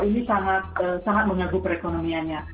ini sangat menyebut perekonomianya